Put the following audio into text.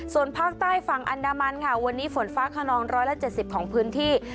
ส่วนภาคใต้ฝั่งอันดามันค่ะวันนี้ฝนฟ้าขนอง๑๗๐ของพื้นที่